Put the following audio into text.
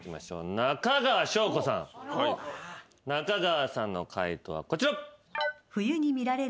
中川さんの解答はこちら。